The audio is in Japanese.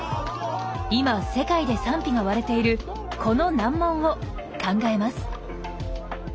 今世界で賛否が割れているこの難問を考えます。